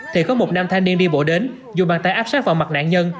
thì có một nam thanh niên đi bộ đến dù bàn tay áp sát vào mặt nạn nhân